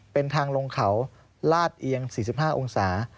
เป็นทางลงเขาลาดเอียง๔๕องศา